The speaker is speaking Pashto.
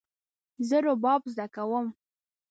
زه رباب زده کوم